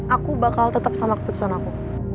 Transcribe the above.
aku bakal tetap sama keputusan aku